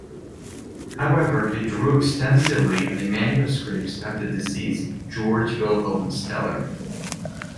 However, he drew extensively on the manuscripts of the deceased Georg Wilhelm Steller.